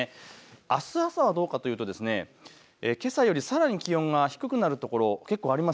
あす朝はどうかというとけさよりさらに気温が低くなる所結構あります。